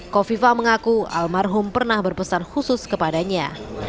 kofifa mengaku almarhum pernah berpesan khusus kepadanya